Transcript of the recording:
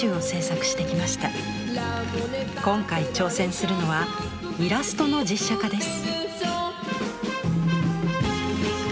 今回挑戦するのはイラストの実写化です。